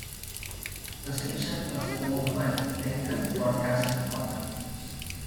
The station is owned by Lincoln Broadcasting Company.